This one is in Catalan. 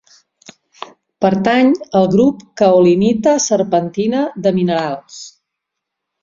Pertany al grup caolinita-serpentina de minerals.